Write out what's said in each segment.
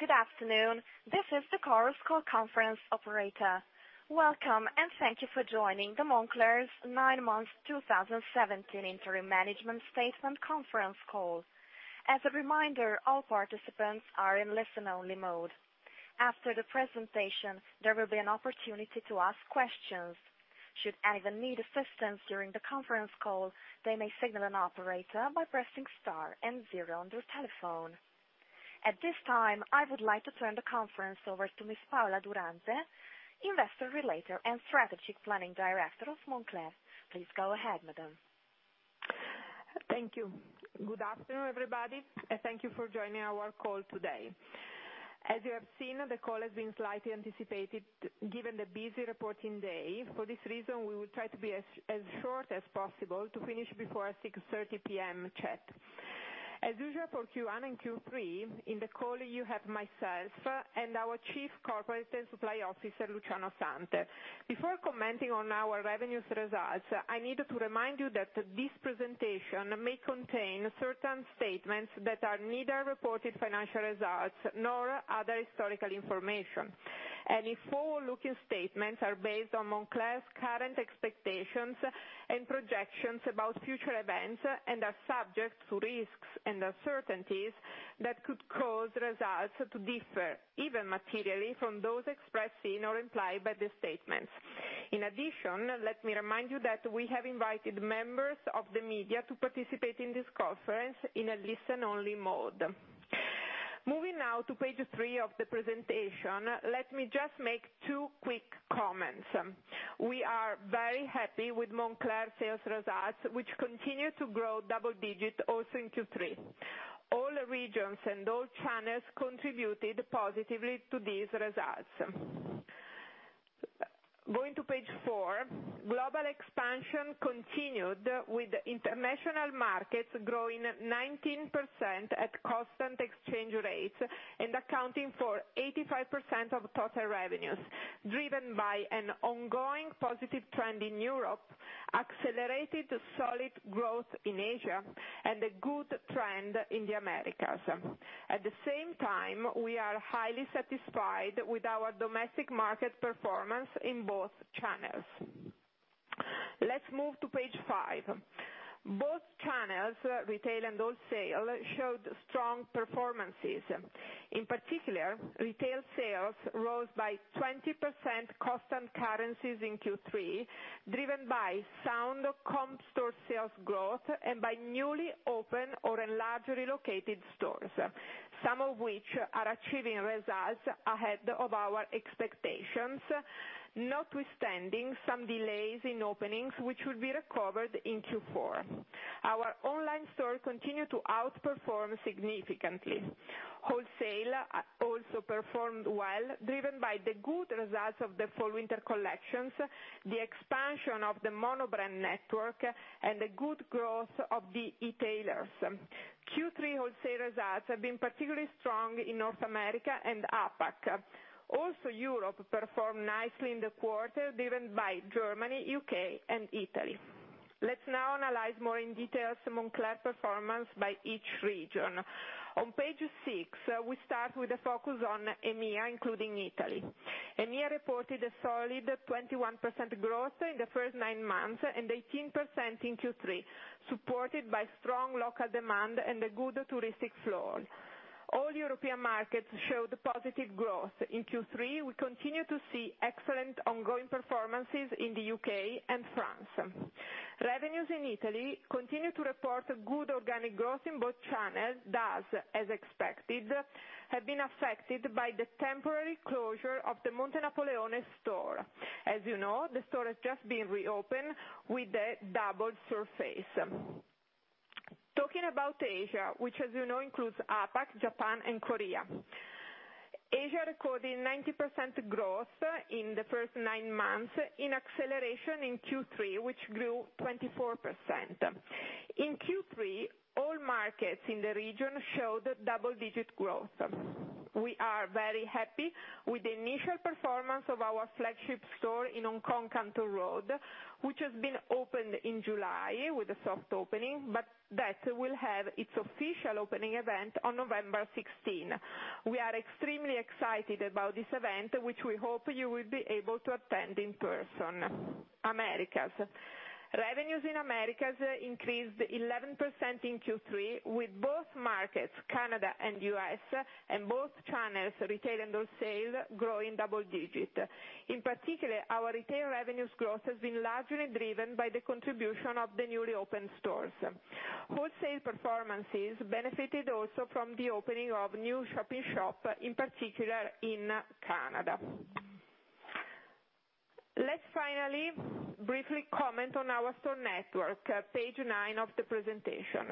Good afternoon. This is the Chorus Call conference operator. Welcome, and thank you for joining the Moncler's nine months 2017 Interim Management Statement conference call. As a reminder, all participants are in listen-only mode. After the presentation, there will be an opportunity to ask questions. Should anyone need assistance during the conference call, they may signal an operator by pressing star and zero on their telephone. At this time, I would like to turn the conference over to Ms. Paola Durante, Investor Relations and Strategic Planning Director of Moncler. Please go ahead, madam. Thank you. Good afternoon, everybody, and thank you for joining our call today. As you have seen, the call has been slightly anticipated given the busy reporting day. For this reason, we will try to be as short as possible to finish before 6:30 P.M. CET. As usual for Q1 and Q3, in the call you have myself and our Chief Corporate and Supply Officer, Luciano Santel. Before commenting on our revenues results, I need to remind you that this presentation may contain certain statements that are neither reported financial results nor other historical information. Any forward-looking statements are based on Moncler's current expectations and projections about future events and are subject to risks and uncertainties that could cause results to differ, even materially, from those expressed in or implied by the statements. Let me remind you that we have invited members of the media to participate in this conference in a listen-only mode. Moving now to page three of the presentation, let me just make two quick comments. We are very happy with Moncler sales results, which continue to grow double digit also in Q3. All regions and all channels contributed positively to these results. Going to page four, global expansion continued with international markets growing 19% at constant exchange rates and accounting for 85% of total revenues, driven by an ongoing positive trend in Europe, accelerated solid growth in Asia, and a good trend in the Americas. At the same time, we are highly satisfied with our domestic market performance in both channels. Let's move to page five. Both channels, retail and wholesale, showed strong performances. Retail sales rose by 20% constant currencies in Q3, driven by sound Comparable store sales growth and by newly open or enlarged relocated stores, some of which are achieving results ahead of our expectations, notwithstanding some delays in openings, which will be recovered in Q4. Our online store continued to outperform significantly. Wholesale also performed well, driven by the good results of the fall/winter collections, the expansion of the mono-brand network, and the good growth of the e-tailers. Q3 wholesale results have been particularly strong in North America and APAC. Europe performed nicely in the quarter, driven by Germany, U.K., and Italy. Let's now analyze more in detail Moncler performance by each region. On page six, we start with a focus on EMEA, including Italy. EMEA reported a solid 21% growth in the first nine months and 18% in Q3, supported by strong local demand and a good touristic flow. All European markets showed positive growth. In Q3, we continue to see excellent ongoing performances in the U.K. and France. Revenues in Italy continue to report good organic growth in both channels that, as expected, have been affected by the temporary closure of the Montenapoleone store. As you know, the store has just been reopened with a doubled surface. Talking about Asia, which as you know includes APAC, Japan, and Korea. Asia recorded 90% growth in the first nine months, in acceleration in Q3, which grew 24%. In Q3, all markets in the region showed double-digit growth. We are very happy with the initial performance of our flagship store in Hong Kong, Canton Road, which has been opened in July with a soft opening, but that will have its official opening event on November 16. We are extremely excited about this event, which we hope you will be able to attend in person. Americas. Revenues in Americas increased 11% in Q3 with both markets, Canada and U.S., and both channels, retail and wholesale, growing double-digit. In particular, our retail revenues growth has been largely driven by the contribution of the newly opened stores. Wholesale performances benefited also from the opening of new shop-in-shop, in particular in Canada. Let's finally briefly comment on our store network, page nine of the presentation.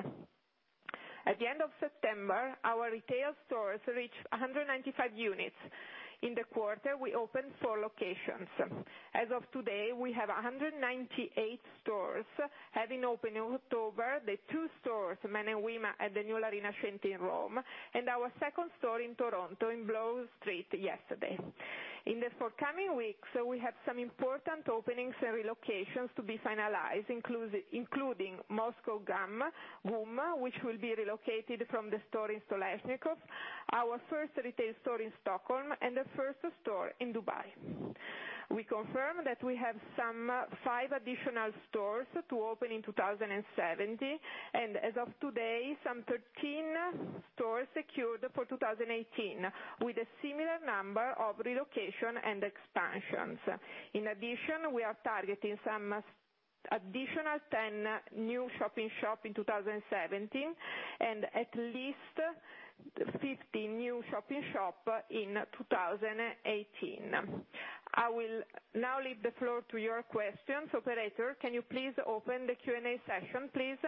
At the end of September, our retail stores reached 195 units. In the quarter, we opened four locations. As of today, we have 198 stores, having opened in October the two stores, men and women, at the new La Rinascente in Rome and our second store in Toronto in Bloor Street yesterday. In the forthcoming weeks, we have some important openings and relocations to be finalized, including Moscow GUM, which will be relocated from the store in Stoleshnikov, our first retail store in Stockholm, and the first store in Dubai. We confirm that we have some five additional stores to open in 2017, and as of today, some 13 stores secured for 2018 with a similar number of relocation and expansions. In addition, we are targeting some additional 10 new shop-in-shop in 2017, and at least 15 new shop-in-shop in 2018. I will now leave the floor to your questions. Operator, can you please open the Q&A session, please?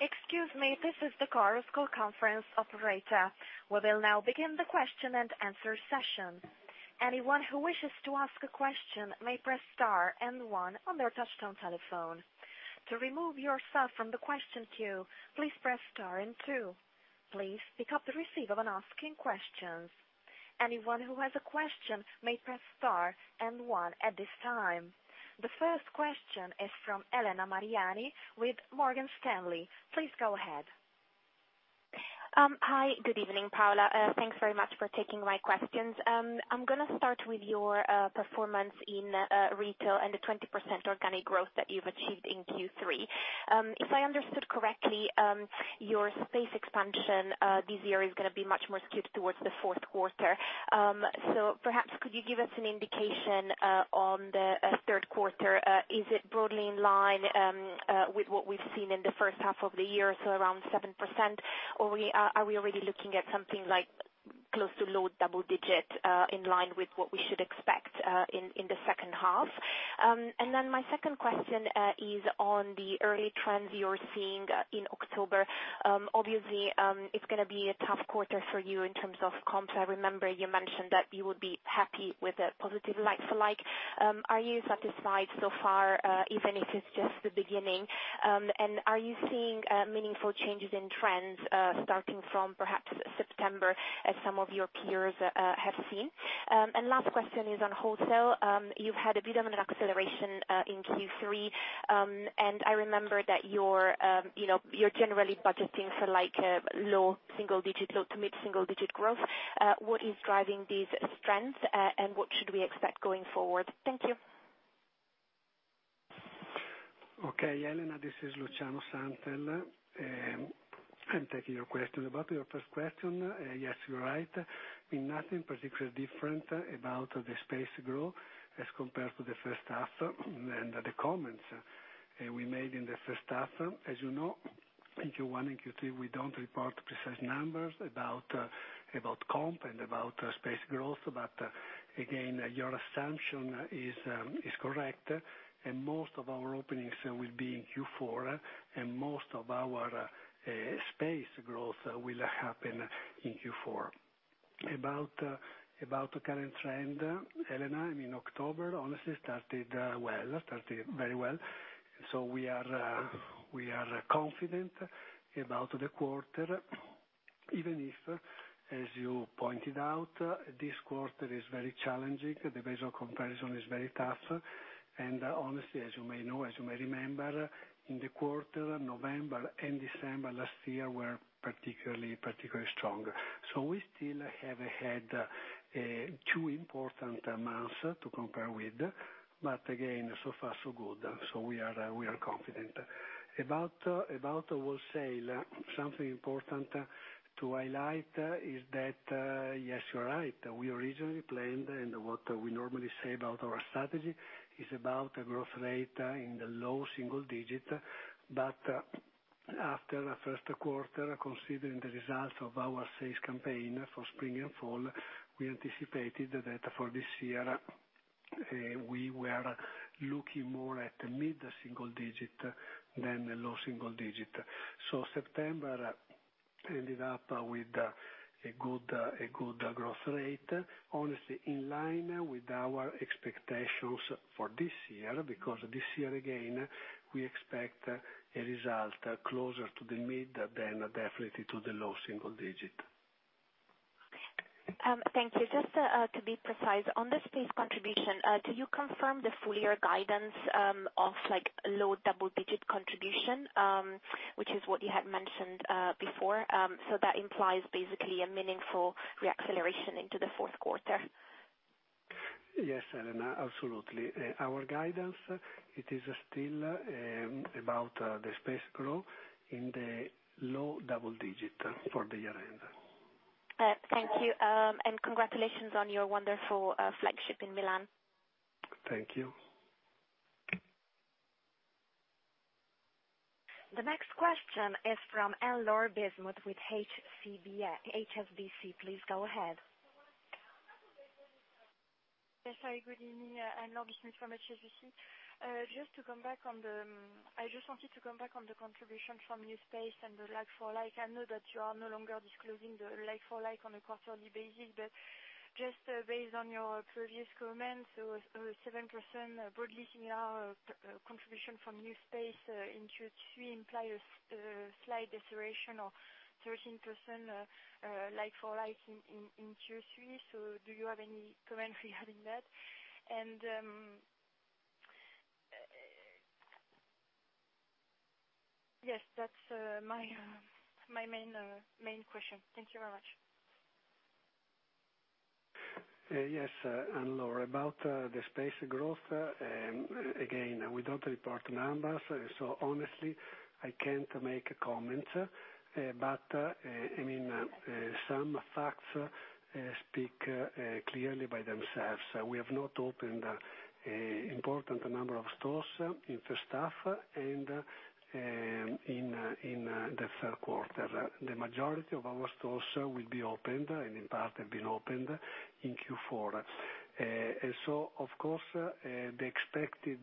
Excuse me, this is the Chorus Call conference operator. We will now begin the question and answer session. Anyone who wishes to ask a question may press star and one on their touchtone telephone. To remove yourself from the question queue, please press star and two. Please pick up the receiver of asking questions. Anyone who has a question may press star and one at this time. The first question is from Elena Mariani with Morgan Stanley. Please go ahead. Hi. Good evening, Paola. Thanks very much for taking my questions. I am going to start with your performance in retail and the 20% organic growth that you have achieved in Q3. If I understood correctly, your space expansion this year is going to be much more skewed towards the fourth quarter. Perhaps could you give us an indication on the third quarter? Is it broadly in line with what we have seen in the first half of the year, so around 7%, or are we already looking at something close to low double digit, in line with what we should expect in the second half? Then my second question is on the early trends you are seeing in October. Obviously, it is going to be a tough quarter for you in terms of comp. I remember you mentioned that you would be happy with a positive like-for-like. Are you satisfied so far, even if it is just the beginning? Are you seeing meaningful changes in trends, starting from perhaps September, as some of your peers have seen? Last question is on wholesale. You have had a bit of an acceleration in Q3. I remember that you are generally budgeting for low to mid single digit growth. What is driving these trends, and what should we expect going forward? Thank you. Okay, Elena, this is Luciano Santel. I am taking your question. About your first question, yes, you are right. Nothing particularly different about the space growth as compared to the first half and the comments we made in the first half. As you know, in Q1 and Q3, we do not report precise numbers about comp and about space growth. Again, your assumption is correct, and most of our openings will be in Q4, and most of our space growth will happen in Q4. About the current trend, Elena, in October, honestly started very well. We are confident about the quarter, even if, as you pointed out, this quarter is very challenging. The base of comparison is very tough. Honestly, as you may know, as you may remember, in the quarter, November and December last year were particularly strong. We still have had two important months to compare with. Again, so far so good. We are confident. About wholesale, something important to highlight is that, yes, you are right. We originally planned, and what we normally say about our strategy is about a growth rate in the low single digit. After the first quarter, considering the results of our sales campaign for spring and fall, we anticipated that for this year we were looking more at mid single digit than low single digit. September ended up with a good growth rate. Honestly, in line with our expectations for this year, because this year, again, we expect a result closer to the mid than definitely to the low single digit. Thank you. Just to be precise, on the space contribution, do you confirm the full year guidance of low double digit contribution? Which is what you had mentioned before. That implies basically a meaningful re-acceleration into the fourth quarter. Yes, Elena, absolutely. Our guidance, it is still about the space growth in the low double digit for the year end. Thank you, and congratulations on your wonderful flagship in Milan. Thank you. The next question is from Anne-Laure Bismuth with HSBC. Please go ahead. Yes, hi, good evening. Anne-Laure Bismuth with HSBC. I just wanted to come back on the contribution from new space and the like-for-like. I know that you are no longer disclosing the like-for-like on a quarterly basis. Just based on your previous comments, 7% broadly similar contribution from new space in Q3 imply a slight deceleration of 13% like-for-like in Q3. Do you have any commentary on that? Yes, that's my main question. Thank you very much. Yes, Anne-Laure, about the space growth, again, we don't report numbers, honestly, I can't make a comment. Some facts speak clearly by themselves. We have not opened an important number of stores in the first half and in the third quarter. The majority of our stores will be opened, and in part have been opened, in Q4. Of course, the expected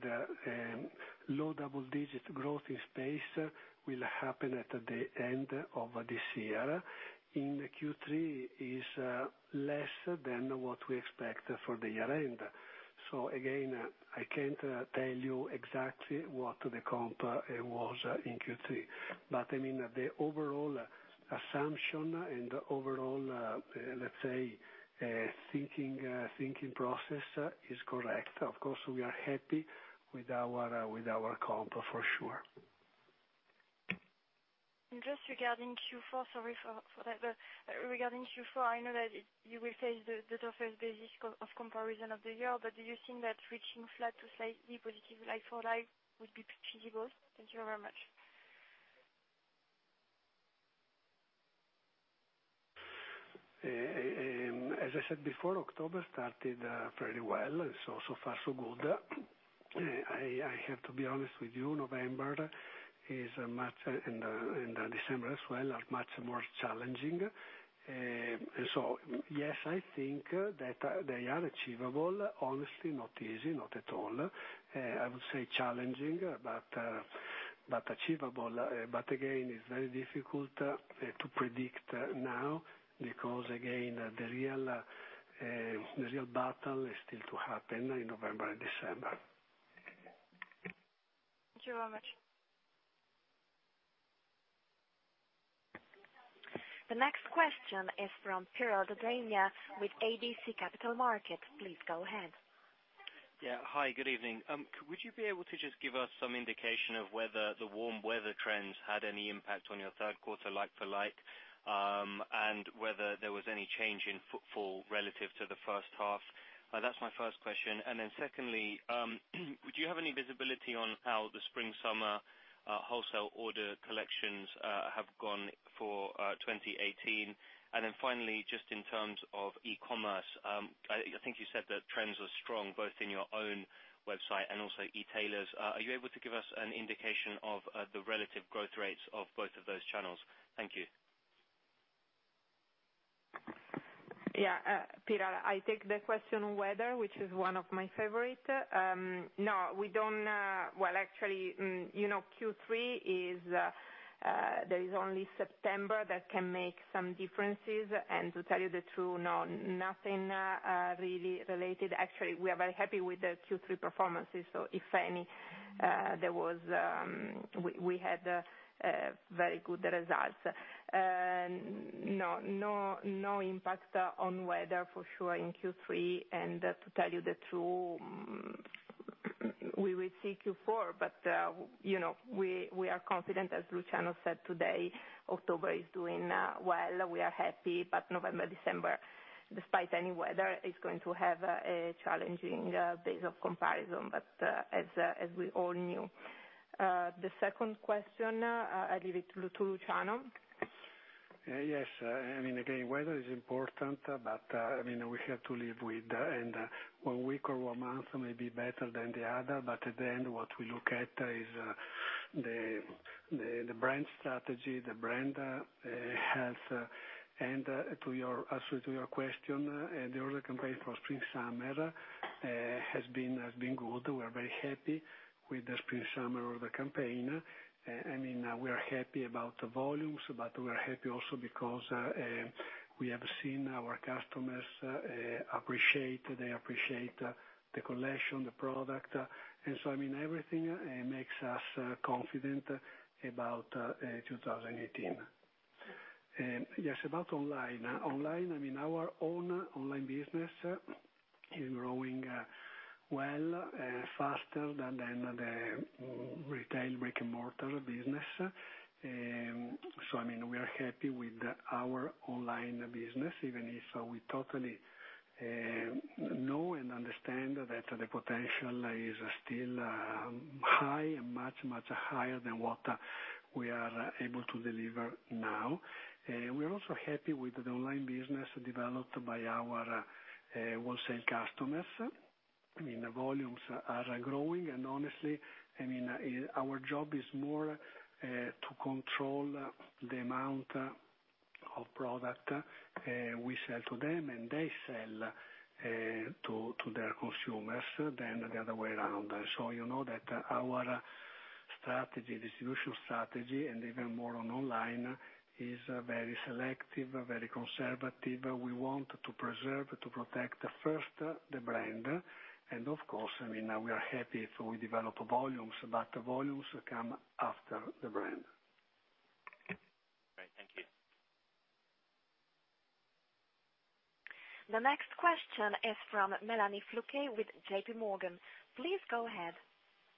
low double-digit growth in space will happen at the end of this year. In the Q3 is less than what we expect for the year-end. Again, I can't tell you exactly what the comp was in Q3. The overall assumption and overall, let's say, thinking process is correct. Of course, we are happy with our comp, for sure. Just regarding Q4, sorry for that. Regarding Q4, I know that you will face the toughest basis of comparison of the year, but do you think that reaching flat to slightly positive like-for-like would be feasible? Thank you very much. October started very well, so far so good. I have to be honest with you, November and December as well are much more challenging. Yes, I think that they are achievable. Honestly, not easy, not at all. I would say challenging, but achievable. Again, it's very difficult to predict now because, again, the real battle is still to happen in November and December. Thank you very much. The next question is from Piero D'Egidio with ABC Capital Markets. Please go ahead. Hi, good evening. Would you be able to just give us some indication of whether the warm weather trends had any impact on your third quarter like-for-like, and whether there was any change in footfall relative to the first half? That's my first question. Secondly, would you have any visibility on how the spring/summer wholesale order collections have gone for 2018? Finally, just in terms of e-commerce, I think you said that trends are strong both in your own website and also e-tailers. Are you able to give us an indication of the relative growth rates of both of those channels? Thank you. Yeah. Piero, I take the question on weather, which is one of my favorite. Well, actually, Q3, there is only September that can make some differences. To tell you the truth, no, nothing really related. Actually, we are very happy with the Q3 performances. If any, we had very good results. No impact on weather for sure in Q3. To tell you the truth, we will see Q4. We are confident, as Luciano said today, October is doing well. We are happy. November, December, despite any weather, is going to have a challenging base of comparison, as we all knew. The second question, I leave it to Luciano. Yes. Again, weather is important, we have to live with, one week or one month may be better than the other, at the end, what we look at is the brand strategy, the brand health. To answer to your question, the order campaign for spring/summer has been good. We are very happy with the spring/summer order campaign. We are happy about the volumes, we are happy also because we have seen our customers appreciate the collection, the product. Everything makes us confident about 2018. Yes, about online. Online, our own online business is growing well, faster than the retail brick-and-mortar business. We are happy with our online business, even if we totally know and understand that the potential is still high, much, much higher than what we are able to deliver now. We are also happy with the online business developed by our wholesale customers. Volumes are growing, honestly, our job is more to control the amount of product we sell to them and they sell to their consumers than the other way around. You know that our distribution strategy, even more on online, is very selective, very conservative. We want to preserve, to protect first the brand. Of course, we are happy if we develop volumes, the volumes come after the brand. The next question is from Mélanie Flouquet with JP Morgan. Please go ahead.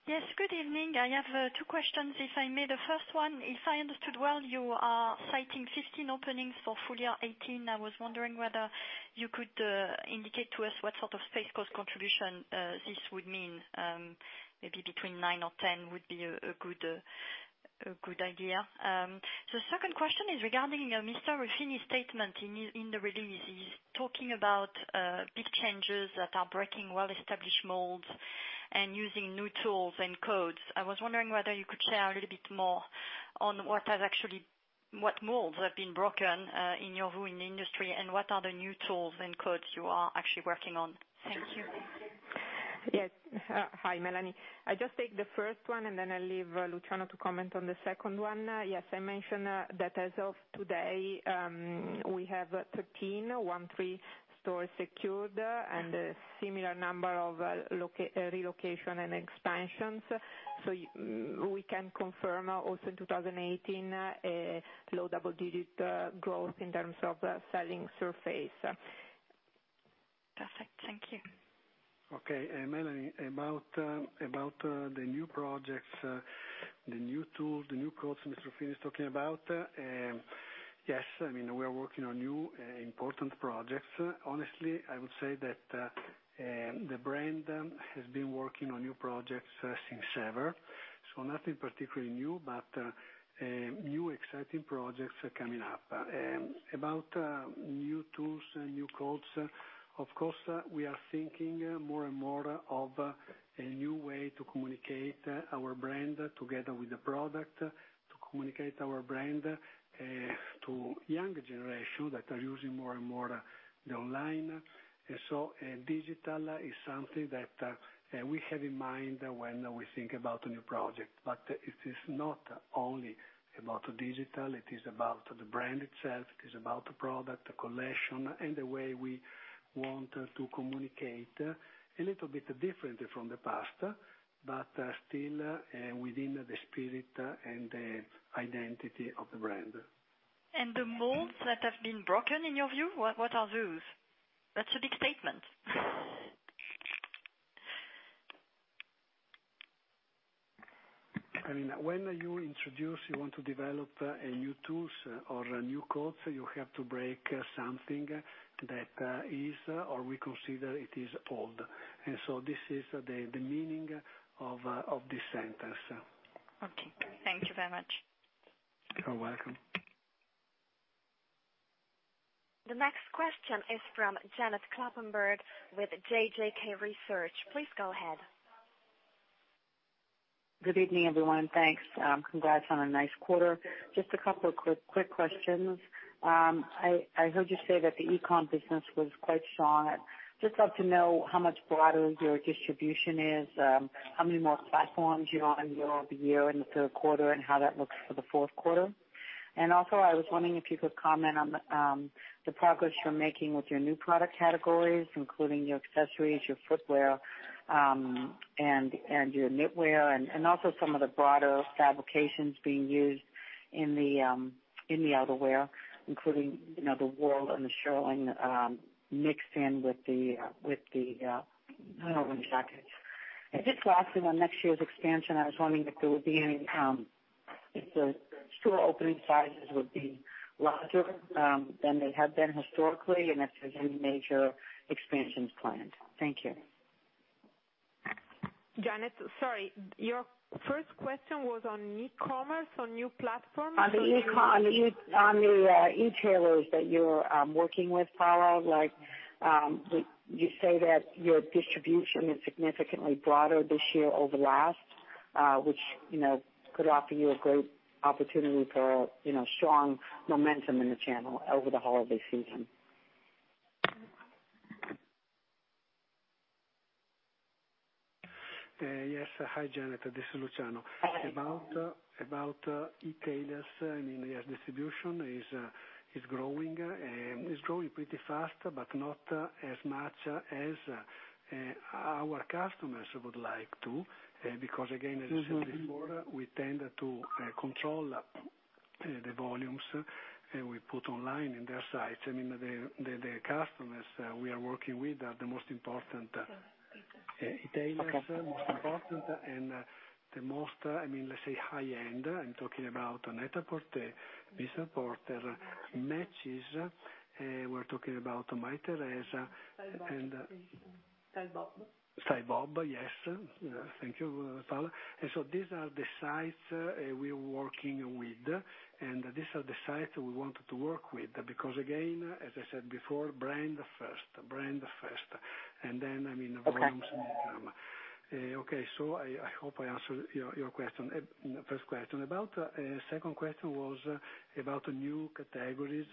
Yes, good evening. I have two questions, if I may. The first one, if I understood well, you are citing 15 openings for full year 2018. I was wondering whether you could indicate to us what sort of space cost contribution this would mean. Maybe between 9 or 10 would be a good idea. The second question is regarding Mr. Ruffini's statement in the release. He's talking about big changes that are breaking well-established molds and using new tools and codes. I was wondering whether you could share a little bit more on what molds have been broken, in your view, in the industry, and what are the new tools and codes you are actually working on. Thank you. Yes. Hi, Mélanie. I just take the first one, and then I leave Luciano to comment on the second one. Yes, I mentioned that as of today, we have 13 stores secured and a similar number of relocation and expansions. We can confirm also 2018, a low double-digit growth in terms of selling surface. Perfect. Thank you. Okay, Mélanie, about the new projects, the new tools, the new codes Mr. Ruffini is talking about. Yes, we are working on new important projects. Honestly, I would say that the brand has been working on new projects since ever, nothing particularly new, but new exciting projects are coming up. About new tools and new codes, of course, we are thinking more and more of a new way to communicate our brand together with the product, to communicate our brand to younger generation that are using more and more the online. Digital is something that we have in mind when we think about a new project. It is not only about digital, it is about the brand itself, it is about the product, the collection, and the way we want to communicate a little bit differently from the past, but still within the spirit and the identity of the brand. The molds that have been broken, in your view, what are those? That's a big statement. When you introduce, you want to develop a new tools or a new codes, you have to break something that is, or we consider it is old. This is the meaning of this sentence. Okay. Thank you very much. You're welcome. The next question is from Janet Kloppenburg with JJK Research. Please go ahead. Good evening, everyone. Thanks. Congrats on a nice quarter. Just a couple of quick questions. I heard you say that the e-com business was quite strong. Just love to know how much broader your distribution is, how many more platforms year-on-year, over the year in the third quarter, and how that looks for the fourth quarter. Also, I was wondering if you could comment on the progress you're making with your new product categories, including your accessories, your footwear, and your knitwear, and also some of the broader fabrications being used in the outerwear, including the wool and the shearling, mixed in with the, I don't know exactly. Just lastly, on next year's expansion, I was wondering if the store opening sizes would be larger than they have been historically, and if there's any major expansions planned. Thank you. Janet, sorry. Your first question was on e-commerce, on new platforms? On the e-tailers that you're working with, Paola. You say that your distribution is significantly broader this year over last, which could offer you a great opportunity for strong momentum in the channel over the holiday season. Yes. Hi, Janet. This is Luciano. Hi. About e-tailers, yes, distribution is growing, and it's growing pretty fast, but not as much as our customers would like to. Because again, as I said before, we tend to control the volumes that we put online in their sites. The customers we are working with are the most important e-tailers, most important and the most high-end. I'm talking about NET-A-PORTER, Mr Porter, Matchesfashion, we're talking about Mytheresa. Stylebop. Stylebop, yes. Thank you, Paola. These are the sites we are working with, these are the sites we want to work with, because again, as I said before, brand first. Volumes will come. Okay. Okay. I hope I answered your first question. About second question was about new categories,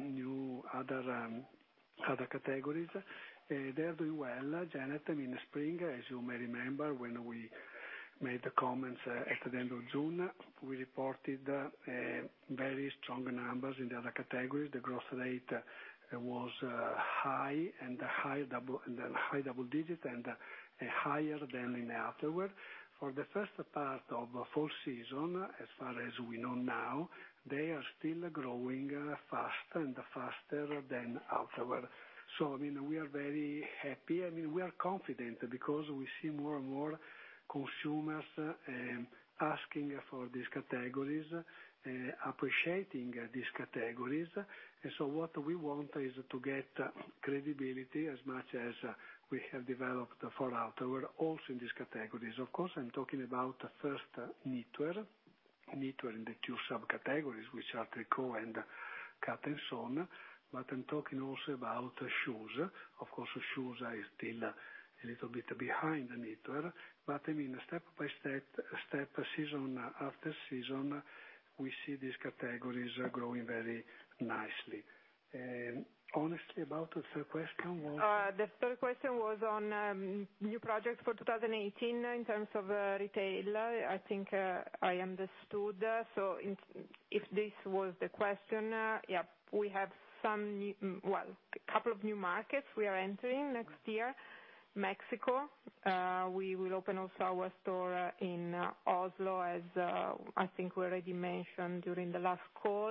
new other categories. They are doing well, Janet, in spring, as you may remember when we made the comments at the end of June. We reported very strong numbers in the other categories. The growth rate was high double digits, and higher than in outerwear. For the first part of fall season, as far as we know now, they are still growing faster than outerwear. We are very happy, we are confident because we see more and more consumers asking for these categories, appreciating these categories. What we want is to get credibility as much as we have developed for outerwear, also in these categories. Of course, I'm talking about first, knitwear. Knitwear in the two subcategories, which are tricot and cut and sew. I'm talking also about shoes. Of course, shoes are still a little bit behind knitwear. Step by step, season after season, we see these categories growing very nicely. About the third question was? The third question was on new projects for 2018 in terms of retail. I think I understood. If this was the question. We have a couple of new markets we are entering next year, Mexico. We will open also our store in Oslo, as I think we already mentioned during the last call.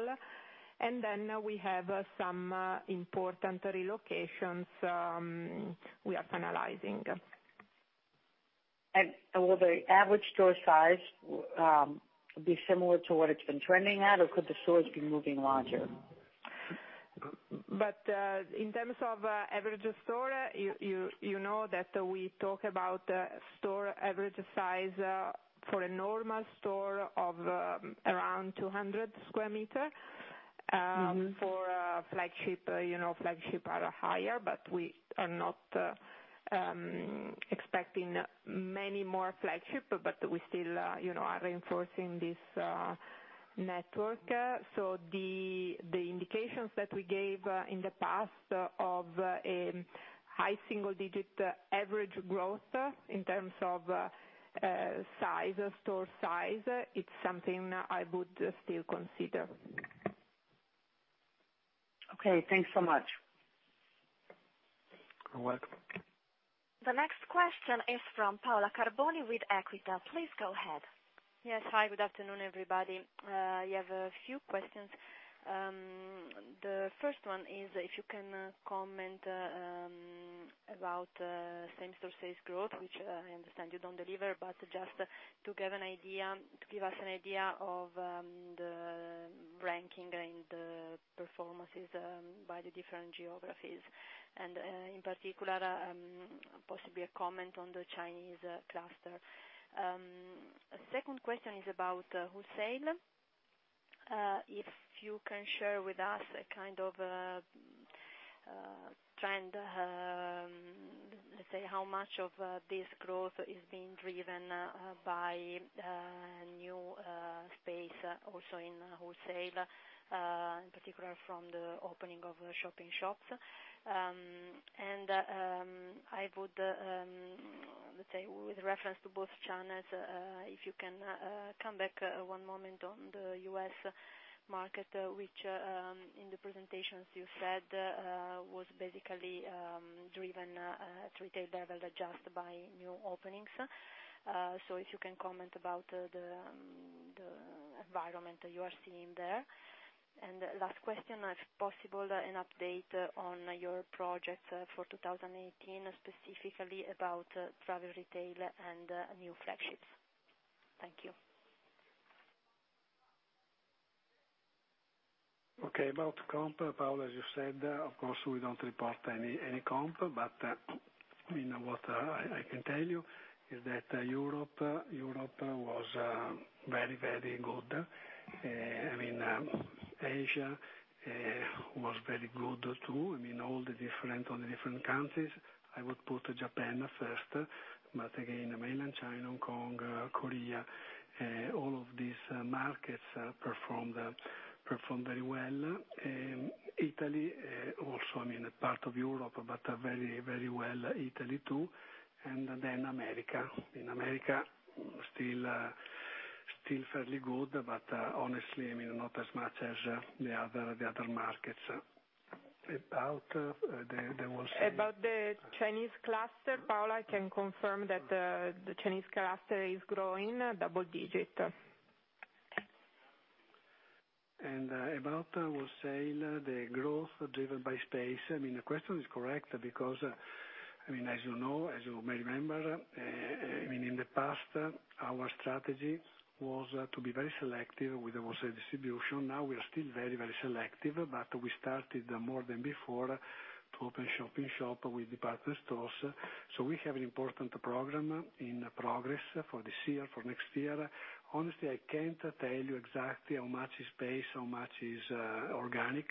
We have some important relocations we are finalizing. Will the average store size be similar to what it's been trending at, or could the stores be moving larger? In terms of average store, you know that we talk about store average size for a normal store of around 200 sq m. For flagship are higher, but we are not expecting many more flagship, but we still are reinforcing this network. The indications that we gave in the past of a high single-digit average growth in terms of store size, it's something I would still consider. Okay, thanks so much. You're welcome. The next question is from Paola Carboni with Equita. Please go ahead. Yes. Hi, good afternoon, everybody. I have a few questions. The first one is if you can comment about same-store sales growth, which I understand you don't deliver, but just to give us an idea of the ranking and the performances by the different geographies, and in particular, possibly a comment on the Chinese cluster. Second question is about wholesale. If you can share with us a kind of trend, let's say, how much of this growth is being driven by new space also in wholesale, in particular from the opening of the shop-in-shop. I would, let's say, with reference to both channels, if you can come back one moment on the U.S. market, which, in the presentations you said, was basically driven at retail level just by new openings. If you can comment about the environment you are seeing there. Last question, if possible, an update on your project for 2018, specifically about travel retail and new flagships. Thank you. Okay. About comp, Paola, as you said, of course, we don't report any comp. What I can tell you is that Europe was very, very good. Asia was very good, too, in all the different countries. I would put Japan first. Again, Mainland China, Hong Kong, Korea, all of these markets performed very well. Italy also, part of Europe, but very well, Italy, too. Then America. In America, still fairly good, but honestly, not as much as the other markets. About the Chinese cluster, Paola, I can confirm that the Chinese cluster is growing double-digit. About wholesale, the growth driven by space. The question is correct because, as you know, as you may remember, in the past, our strategy was to be very selective with the wholesale distribution. Now we are still very, very selective, but we started more than before to open shop-in-shop with department stores. We have an important program in progress for this year, for next year. Honestly, I can't tell you exactly how much is space, how much is organic.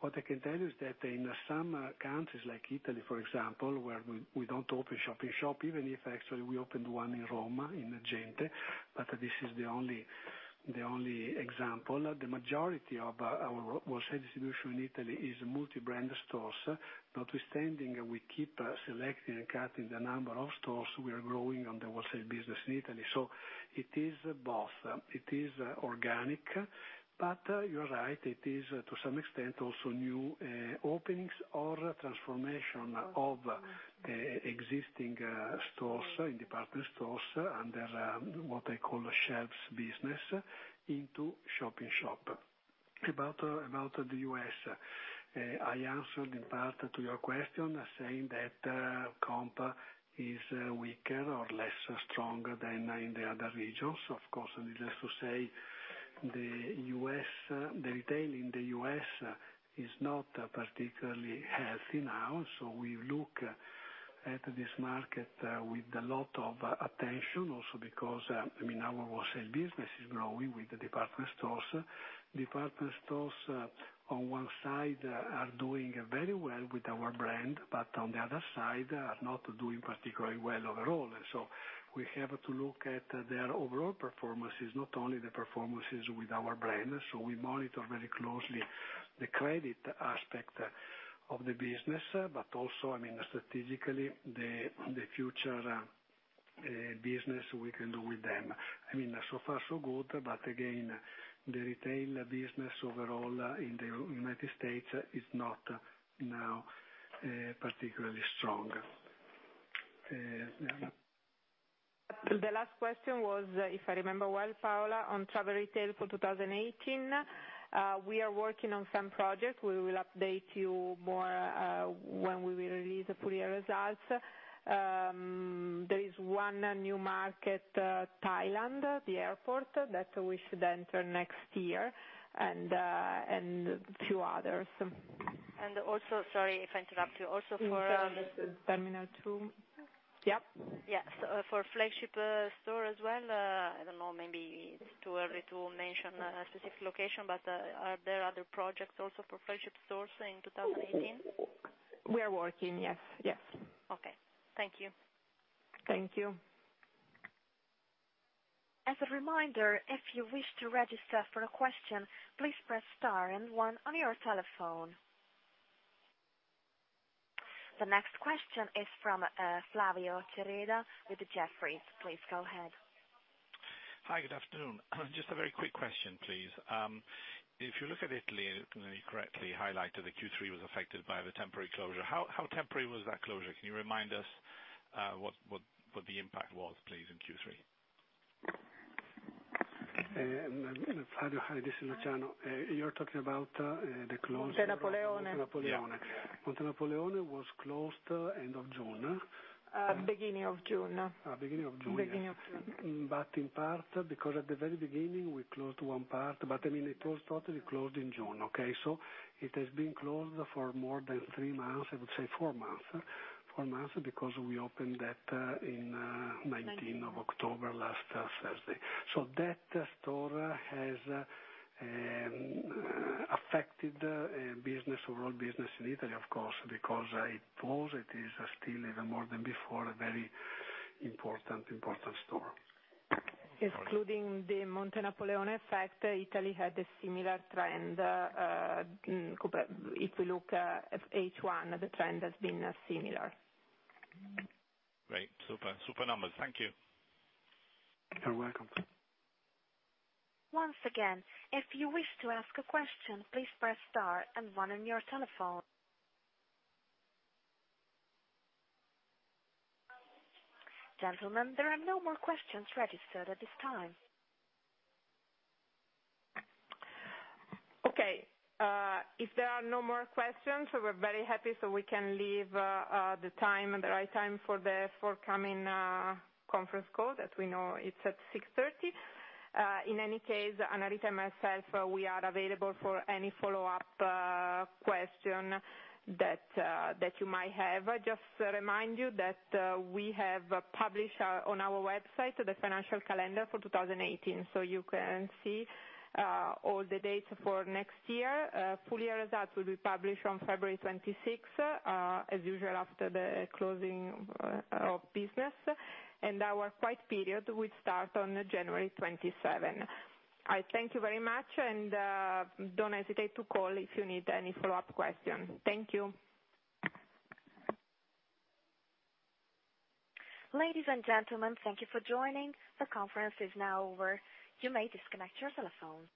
What I can tell you is that in some countries, like Italy, for example, where we don't open shop-in-shop, even if actually we opened one in Rome, in Gente. This is the only example. The majority of our wholesale distribution in Italy is multi-brand stores. Notwithstanding, we keep selecting and cutting the number of stores. We are growing on the wholesale business in Italy. It is both. It is organic, but you're right, it is to some extent also new openings or transformation of existing stores, in department stores under what I call the shelves business, into shop-in-shop. About the U.S., I answered in part to your question, saying that comp is weaker or less strong than in the other regions. Of course, needless to say, the retail in the U.S. is not particularly healthy now. We look at this market with a lot of attention also because our wholesale business is growing with the department stores. Department stores on one side are doing very well with our brand, but on the other side are not doing particularly well overall. We have to look at their overall performances, not only the performances with our brand. We monitor very closely the credit aspect of the business, but also, strategically, the future business we can do with them. Far so good, but again, the retail business overall in the U.S. is not now particularly strong. Yeah. The last question was, if I remember well, Paola, on travel retail for 2018. We are working on some projects. We will update you more when we will release the full year results. There is one new market, Thailand, the airport, that we should enter next year, and a few others. Also, sorry if I interrupt you, also for. In terms of terminal 2. Yep. Yes. For flagship store as well, I don't know, maybe it's too early to mention a specific location, are there other projects also for flagship stores in 2018? We are working, yes. Okay. Thank you. Thank you. As a reminder, if you wish to register for a question, please press star and one on your telephone. The next question is from Flavio Cereda with Jefferies. Please go ahead. Hi, good afternoon. Just a very quick question, please. If you look at Italy, you correctly highlighted that Q3 was affected by the temporary closure. How temporary was that closure? Can you remind us what the impact was, please, in Q3? Flavio, hi. This is Luciano. You're talking about the closure- Montenapoleone. Monte Napoleone. Yeah. Monte Napoleone was closed end of June. Beginning of June. Beginning of June. Beginning of June. In part, because at the very beginning we closed one part, but it was totally closed in June. Okay? It has been closed for more than three months, I would say four months. Four months because we opened that. 19 19 of October last Thursday. That store has affected overall business in Italy, of course, because it was, it is still even more than before, a very important store. Excluding the Montenapoleone effect, Italy had a similar trend. If you look at H1, the trend has been similar. Great. Super. Super numbers. Thank you. You're welcome. Once again, if you wish to ask a question, please press star and one on your telephone. Gentlemen, there are no more questions registered at this time. Okay. If there are no more questions, we're very happy, so we can leave the right time for the forthcoming conference call, that we know it's at 6:30. In any case, Anita and myself, we are available for any follow-up question that you might have. Just remind you that we have published on our website the financial calendar for 2018, so you can see all the dates for next year. Full year results will be published on February 26th, as usual, after the closing of business. Our quiet period will start on January 27th. I thank you very much, and don't hesitate to call if you need any follow-up questions. Thank you. Ladies and gentlemen, thank you for joining. The conference is now over. You may disconnect your telephone.